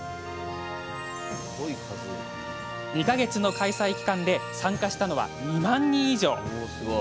２か月の開催期間で参加したのは２万人以上。